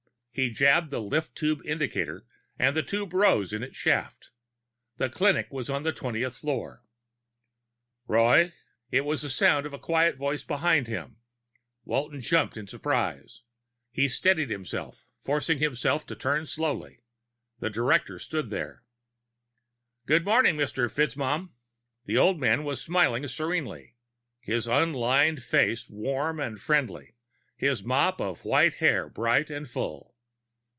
He jabbed the lift tube indicator and the tube rose in its shaft. The clinic was on the twentieth floor. "Roy." At the sound of the quiet voice behind him, Walton jumped in surprise. He steadied himself, forcing himself to turn slowly. The director stood there. "Good morning, Mr. FitzMaugham." The old man was smiling serenely, his unlined face warm and friendly, his mop of white hair bright and full.